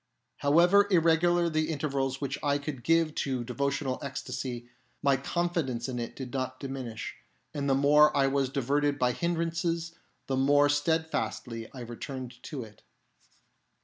However irregular the intervals which I could give to devotional ecstasy, my confidence in it did not diminish ; and the more I was diverted by hindrances, the more steadfastly I returned to it.